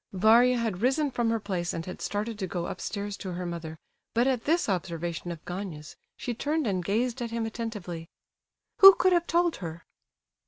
Varia had risen from her place and had started to go upstairs to her mother; but at this observation of Gania's she turned and gazed at him attentively. "Who could have told her?"